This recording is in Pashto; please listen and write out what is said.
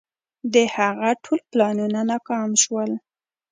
د هغه ټول پلانونه ناکام شول.